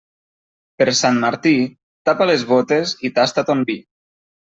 Per Sant Martí, tapa les bótes i tasta ton vi.